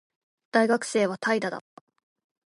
大学生は怠惰だ